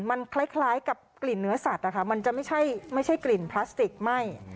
มันคล้ายกับกลิ่นเนื้อสัตว์มันจะไม่ใช่กลิ่นพลาสติกไหม้